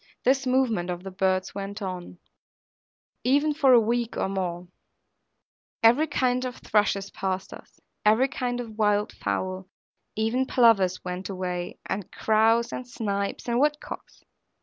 This movement of the birds went on, even for a week or more; every kind of thrushes passed us, every kind of wild fowl, even plovers went away, and crows, and snipes and wood cocks.